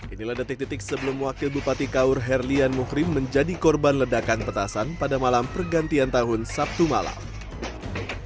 inilah detik detik sebelum wakil bupati kaur herlian mukrim menjadi korban ledakan petasan pada malam pergantian tahun sabtu malam